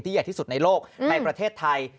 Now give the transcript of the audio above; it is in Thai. ใหญ่ที่สุดในโลกในประเทศไทย